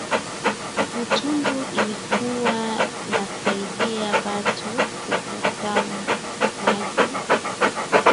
Mutumbu ilikuwa nasaidia batu kuvuka maji